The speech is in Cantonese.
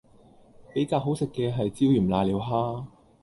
比較好食嘅係椒鹽賴尿蝦